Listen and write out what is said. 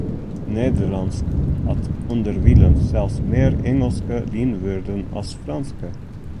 It Nederlânsk hat ûnderwilens sels mear Ingelske lienwurden as Frânske.